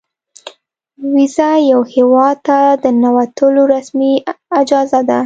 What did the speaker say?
ویزه یو هیواد ته د ننوتو رسمي اجازه ده.